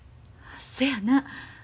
そやな。